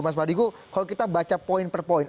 mas mardigu kalau kita baca poin per poin